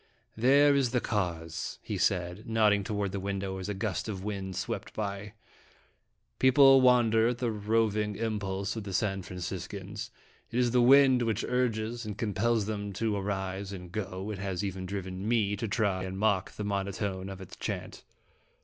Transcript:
" There is the cause," he said, nodding toward the window as a gust of wind swept by. " People wonder at the roving impulse of the San Franciscans. It is the wind which urges and compels them to arise and go ; it has even driven me to try and mock the monotone of its chant."